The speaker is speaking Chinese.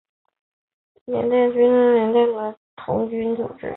缅甸童军总会为缅甸的国家童军组织。